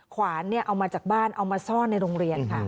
ขวานเอามาจากบ้านเอามาซ่อนในโรงเรียนค่ะ